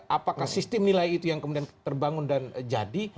apakah sistem nilai itu yang kemudian terbangun dan jadi